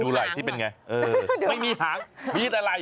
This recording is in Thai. ดูไหล่ที่เป็นไงไม่มีหางมีแต่ไหล่